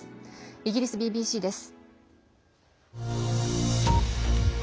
イギリスＢＢＣです。